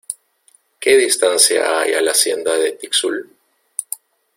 ¿ qué distancia hay a la Hacienda de Tixul?